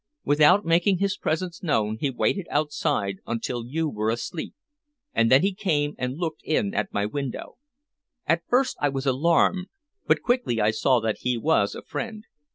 Without making his presence known he waited outside until you were asleep, and then he came and looked in at my window. At first I was alarmed, but quickly I saw that he was a friend.